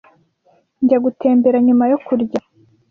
Njya gutembera nyuma yo kurya.